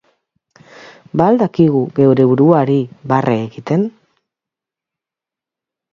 Ba al dakigu geure buruari barre egiten?